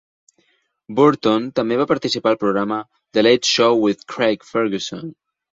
Burton també va participar al programa "The Late Show with Craig Ferguson".